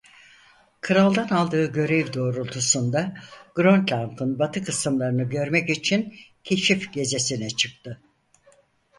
Kraldan aldığı görev doğrultusunda Grönland'ın batı kısımlarını görmek için keşif gezisine çıktı.